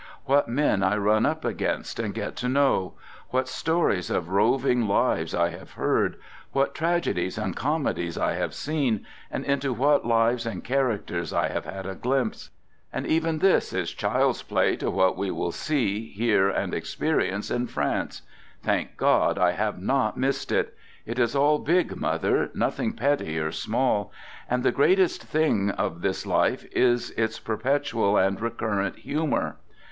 What men I run up against and get to know! What stories of roving lives I have heard. What tragedies and comedies I have seen, and into what lives and characters I have had a glimpse. And even this is child's play to what we will see, hear and experience in France. Thank God, I have not missed it! It is all big, mother, nothing petty or small. And the greatest thing of this life is its per petual and recurrent humor.